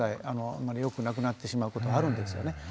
あまり良くなくなってしまうことあるんですよね。